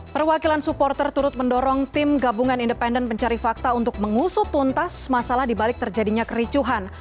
perwakilan supporter turut mendorong tim gabungan independen mencari fakta untuk mengusut tuntas masalah dibalik terjadinya kericuhan